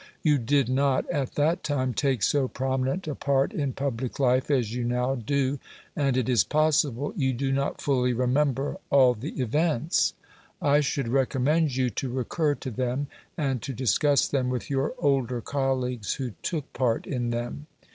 You did not at that time take so prominent a part in public life as you now do, and it is possible you do not fully remember all the events. I should recommend you to recur to them, and to discuss them with your older colleagues who took part in them.